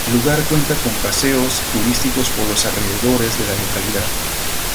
El lugar cuenta con paseos turísticos por los alrededores de la localidad.